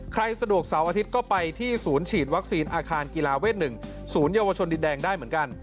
สะดวกเสาร์อาทิตย์ก็ไปที่ศูนย์ฉีดวัคซีนอาคารกีฬาเวท๑ศูนยวชนดินแดงได้เหมือนกัน